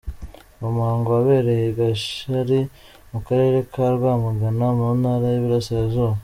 Uwo muhango wabereye i Gishari mu Karere ka Rwamagana mu Ntara y’Iburasirazuba.